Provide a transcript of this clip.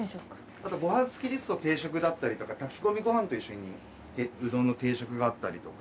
あとごはん付きですと定食だったりとか炊き込みごはんと一緒にうどんの定食があったりとか。